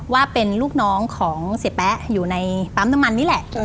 ว่าเป็นลูกน้องของเสียแป๊ะอยู่ในปั๊มน้ำมันนี่แหละ